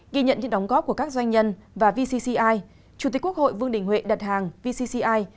ghi nhận những đóng góp của các doanh nhân và vcci chủ tịch quốc hội vương đình huệ đặt hàng vcci